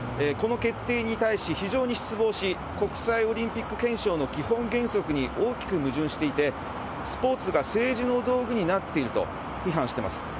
この決定に対し、非常に失望し、国際オリンピック憲章の基本原則に大きく矛盾していて、スポーツが政治の道具になっていると批判しています。